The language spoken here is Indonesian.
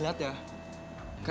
gue gak tega lex lihat ya